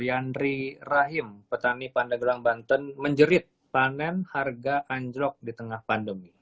yandri rahim petani pandeglang banten menjerit panen harga anjlok di tengah pandemi